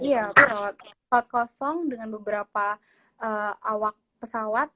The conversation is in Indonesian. iya pesawat kosong dengan beberapa awak pesawat